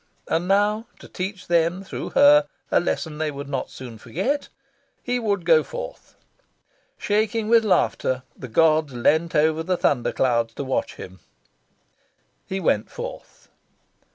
And now, to teach them, through her, a lesson they would not soon forget, he would go forth. Shaking with laughter, the gods leaned over the thunder clouds to watch him. He went forth.